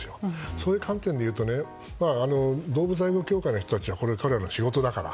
そういう観点でいうと動物愛護協会の人たちはこれからの仕事だから。